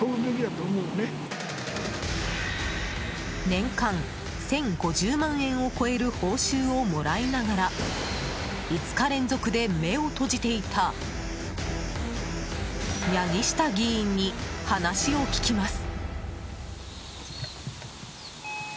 年間１０５０万円を超える報酬をもらいながら５日連続で目を閉じていた八木下議員に話を聞きます。